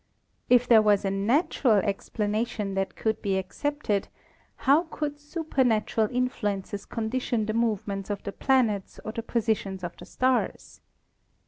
If there was a natural explanation that could be accepted, how could supernatural influences condition the movements of the planets or the positions of the stars?